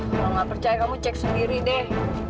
kalo gak percaya kamu cek sendiri deh